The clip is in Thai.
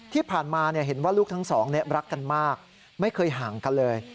ที่ผ่านมาเห็นว่าลูกทั้งสองรักกันมากไม่เคยห่างกันเลย